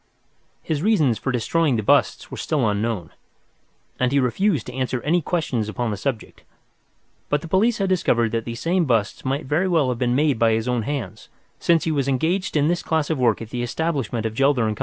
His reasons for destroying the busts were still unknown, and he refused to answer any questions upon the subject, but the police had discovered that these same busts might very well have been made by his own hands, since he was engaged in this class of work at the establishment of Gelder & Co.